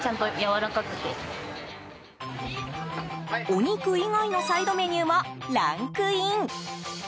お肉以外のサイドメニューもランクイン。